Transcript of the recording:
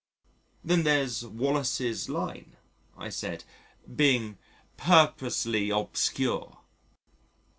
Then there's 'Wallace's Line,'" I said, being purposely obscure.